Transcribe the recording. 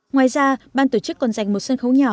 ngoài ra ban tổ chức còn dành một sân khấu nhỏ